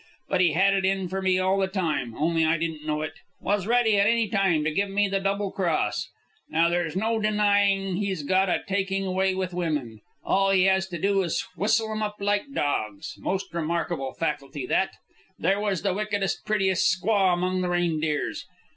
But he had it in for me all the time, only I didn't know it, was ready any time to give me the double cross. "Now, there's no denying he's got a taking way with women. All he has to do is to whistle 'em up like dogs. Most remarkable faculty, that. There was the wickedest, prettiest squaw among the Reindeers.